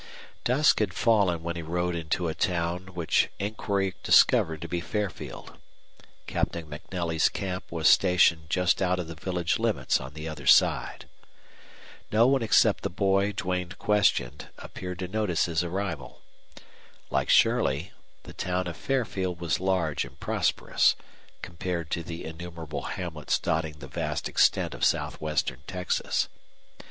Dusk had fallen when he rode into a town which inquiry discovered to be Fairfield. Captain MacNelly's camp was stationed just out of the village limits on the other side. No one except the boy Duane questioned appeared to notice his arrival. Like Shirley, the town of Fairfield was large and prosperous, compared to the innumerable hamlets dotting the vast extent of southwestern Texas.